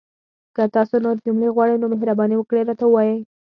که تاسو نورې جملې غواړئ، نو مهرباني وکړئ راته ووایئ!